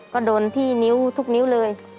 ก็โดนที่นิ้วทุกนิ้วเลย